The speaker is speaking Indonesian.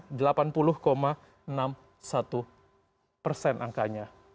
ini berhasil mengangkut delapan puluh enam puluh satu persen angkanya